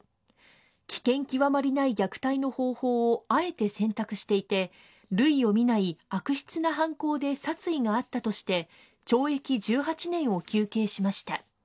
危険極まりない虐待の方法をあえて選択していて、類を見ない悪質な犯行で殺意があったとして、懲役１８年を求刑しました。